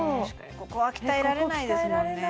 ここは鍛えられないですもんね